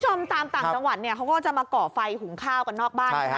ตามต่างจังหวัดเนี่ยเขาก็จะมาก่อไฟหุงข้าวกันนอกบ้านนะคะ